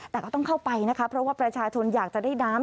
แต่ก็ต้องเข้าไปนะคะเพราะว่าประชาชนอยากจะได้น้ำ